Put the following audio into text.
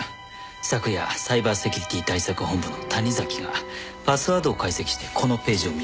昨夜サイバーセキュリティ対策本部の谷崎がパスワードを解析してこのページを見つけました。